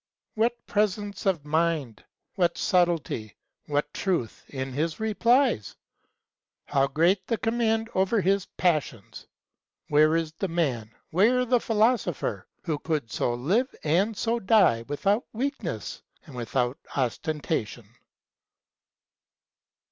What presence of mind, what subtlety, what truth in his replies! How great the command over his passions! Where is the man, where the philosopher, who could so live, and so die, without weakness, and without ostentation